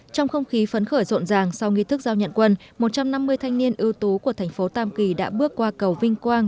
trong không khí phấn khởi rộn ràng sau nghi thức giao nhận quân một trăm năm mươi thanh niên ưu tú của thành phố tam kỳ đã bước qua cầu vinh quang